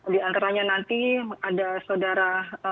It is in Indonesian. di antaranya nanti ada saudara